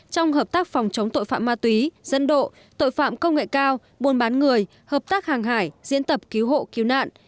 trong hợp tác phòng chống tội phạm ma túy dân độ tội phạm công nghệ cao buôn bán người hợp tác hàng hải diễn tập cứu hộ cứu nạn